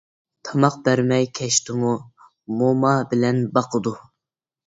تاماق بەرمەي كەچتىمۇ، موما بىلەن باقىدۇ.